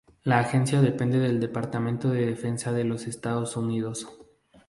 La agencia depende del Departamento de Defensa de los Estados Unidos.